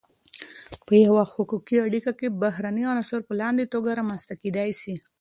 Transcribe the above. په یوه حقوقی اړیکی کی بهرنی عنصر په لاندی توګه رامنځته کیدای سی :